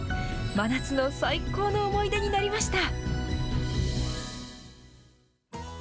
真夏の最高の思い出になりました。